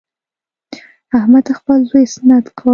احمد خپل زوی سنت کړ.